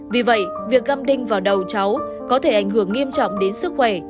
vì vậy việc găm đinh vào đầu cháu có thể ảnh hưởng nghiêm trọng đến sức khỏe